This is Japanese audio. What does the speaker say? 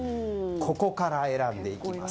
ここから選んでいきます。